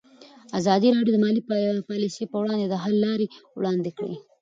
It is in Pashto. ازادي راډیو د مالي پالیسي پر وړاندې د حل لارې وړاندې کړي.